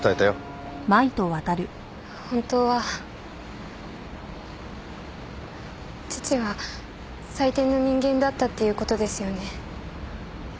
本当は父は最低な人間だったっていう事ですよね？